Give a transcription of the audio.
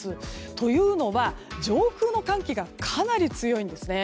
というのは、上空の暖気がかなり強いんですね。